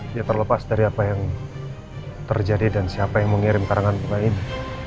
dia terlepas dari apa yang terjadi dan siapa yang mengirim karangan bunga ini